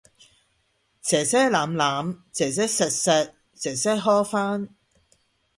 姐姐攬攬，姐姐錫錫，姐姐呵返